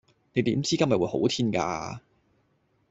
你點知今日會好天架